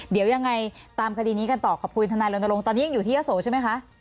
เดี๋ยวยังไงตามคดีนี้กันต่อขอบคุณทนายรณรงค์ตอนนี้ยังอยู่ที่ยะโสใช่ไหมคะ